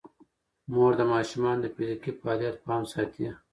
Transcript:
مور د ماشومانو د فزیکي فعالیت پام ساتي.